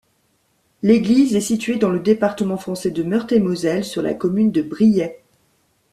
L'église est située dans le département français de Meurthe-et-Moselle, sur la commune de Briey.